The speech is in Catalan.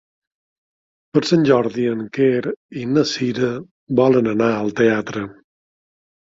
Per Sant Jordi en Quer i na Cira volen anar al teatre.